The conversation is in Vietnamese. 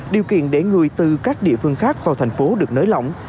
điều kiện để người từ các địa phương khác vào thành phố được nới lỏng